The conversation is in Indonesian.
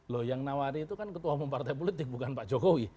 loh yang nawari itu kan ketua umum partai politik bukan pak jokowi